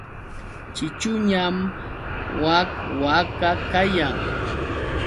Ćhićhuñam wak waka kayan.